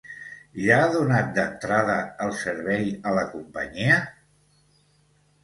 Ja ha donat d'entrada el servei a la companyia?